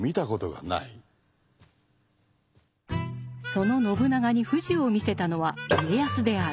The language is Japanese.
その信長に富士を見せたのは家康である。